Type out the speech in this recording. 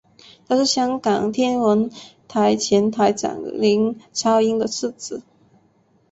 他是香港天文台前台长林超英的次子。